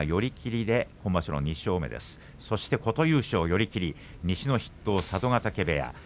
琴裕将、寄り切り西の筆頭、佐渡ヶ嶽部屋。